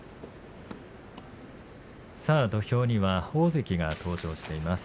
土俵には大関が登場しています。